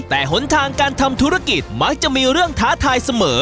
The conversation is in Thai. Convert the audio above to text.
แต่หนทางการทำธุรกิจมักจะมีเรื่องท้าทายเสมอ